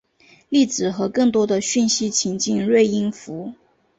例子和更多的讯息请见锐音符。